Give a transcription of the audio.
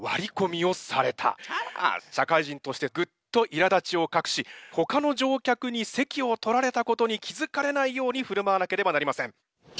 社会人としてぐっといらだちを隠しほかの乗客に席を取られたことに気づかれないようにふるまわなければなりません。